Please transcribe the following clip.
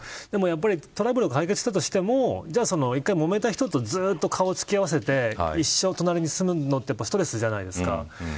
トラブルが解決したとしても１回、もめた人とずっと顔を突き合わせて一生隣に住むのってストレスじゃないですか。